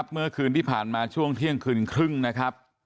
เมื่อคืนที่ผ่านมาช่วงเที่ยงคืนครึ่งนะครับ